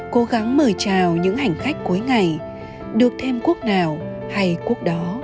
cố gắng mời chào những hành khách cuối ngày được thêm quốc nào hay quốc đó